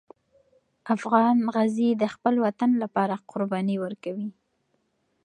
افغان غازي د خپل وطن لپاره قرباني ورکوي.